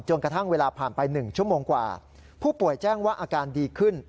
กระทั่งเวลาผ่านไป๑ชั่วโมงกว่าผู้ป่วยแจ้งว่าอาการดีขึ้น